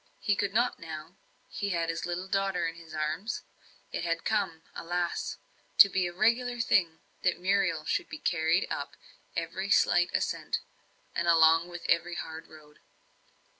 He could not now; he had his little daughter in his arms. It had come, alas! to be a regular thing that Muriel should be carried up every slight ascent, and along every hard road.